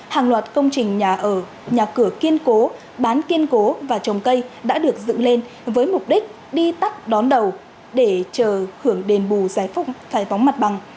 hàng loạt công trình nhà ở nhà cửa kiên cố bán kiên cố và trồng cây đã được dựng lên với mục đích đi tắt đón đầu để chờ hưởng đền bù giải phóng mặt bằng